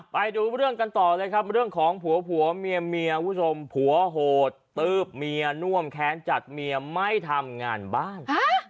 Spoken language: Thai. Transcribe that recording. ไปดูเรื่องกันต่อเลยครับเรื่องของผัวผัวเมียเมียคุณผู้ชมผัวโหดตื๊บเมียน่วมแค้นจัดเมียไม่ทำงานบ้าน